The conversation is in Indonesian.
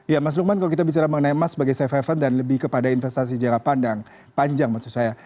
ya mas lukman kalau kita bicara mengenai emas sebagai safe haven dan lebih kepada investasi jangka panjang maksud saya